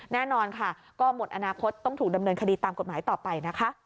แน่นอนค่ะก็หมดอนาคตต้องถูกดำเนินคดีตามกฎหมายต่อไปนะคะ